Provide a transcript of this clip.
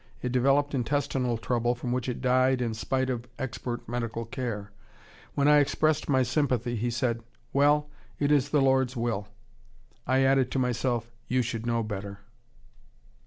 It developed intestinal trouble from which it died in spite of expert medical care. When I expressed my sympathy, he said, 'Well, it is the Lord's will.' I added to myself, 'You should know better!